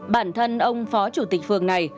bản thân ông phó chủ tịch phường này